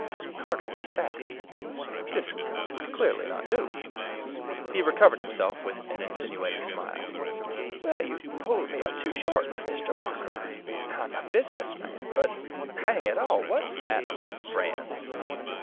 Carter was staggered; this would clearly not do! He recovered himself with an insinuating smile. "You pulled me up too short, Mr. Barker; I'm a business man, but hang it all! what's that among friends?